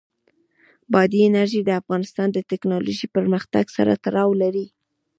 بادي انرژي د افغانستان د تکنالوژۍ پرمختګ سره تړاو لري.